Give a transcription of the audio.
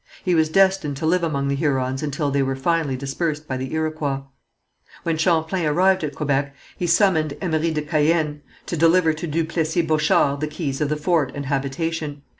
He was destined to live among the Hurons until they were finally dispersed by the Iroquois. When Champlain arrived at Quebec, he summoned Emery de Caën to deliver to Duplessis Bochart the keys of the fort and habitation.